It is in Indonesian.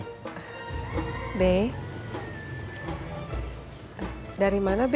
udah ada kemana ya